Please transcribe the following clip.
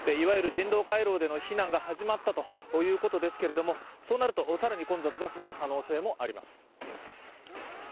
人道回廊での避難が始まったということですけれども、そうなると更に混雑が増える可能性もあります。